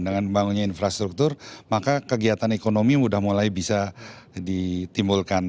dengan bangunnya infrastruktur maka kegiatan ekonomi sudah mulai bisa ditimbulkan